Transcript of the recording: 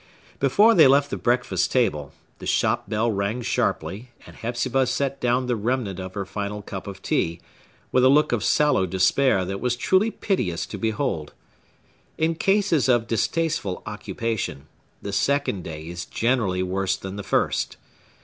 Before they left the breakfast table, the shop bell rang sharply, and Hepzibah set down the remnant of her final cup of tea, with a look of sallow despair that was truly piteous to behold. In cases of distasteful occupation, the second day is generally worse than the first.